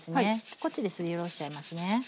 こっちですりおろしちゃいますね。